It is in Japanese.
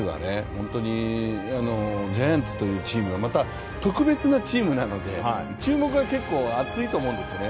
本当に、ジャイアンツというチームはまた特別なチームなので、注目が結構厚いと思うんですよね。